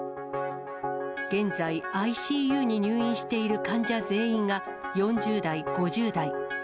現在、ＩＣＵに入院しているかんじゃぜんいんが４０代５０代。